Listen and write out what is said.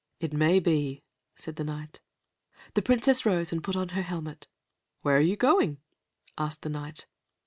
"It may be," said the Knight. The Princess rose and put on her helmet. "Where are you going?" asked the Knight.